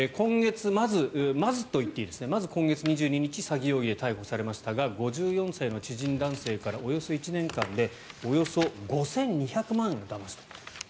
まず今月２２日詐欺容疑で逮捕されましたが５４歳の知人男性からおよそ１年間でおよそ５２００万円をだまし取った。